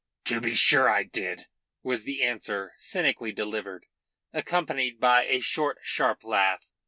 "To be sure I did," was the answer, cynically delivered, accompanied by a short, sharp laugh.